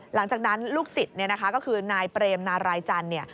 หลังจากนั้นลูกศิษย์ก็คือนายเปรมนารายจันทร์เนี่ย